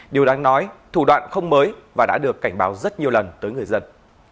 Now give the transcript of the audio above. điều đáng nói thủ đoạn không mới và đã được cảnh báo rất nhiều lần tới người dân